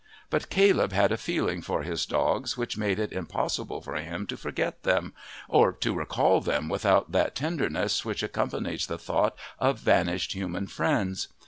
But Caleb had a feeling for his dogs which made it impossible for him to forget them or to recall them without that tenderness which accompanies the thought of vanished human friends.